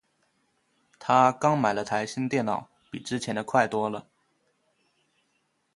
她刚买了台新电脑，比之前的快多了。